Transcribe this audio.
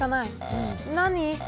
何？